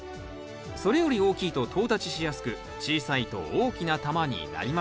それより大きいととう立ちしやすく小さいと大きな球になりません。